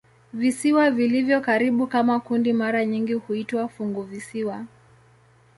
Visiwa vilivyo karibu kama kundi mara nyingi huitwa "funguvisiwa".